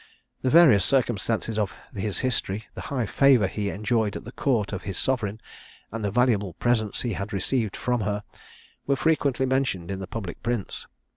The various circumstances of his history, the high favour he enjoyed at the court of his sovereign, and the valuable presents he had received from her, were frequently mentioned in the public prints.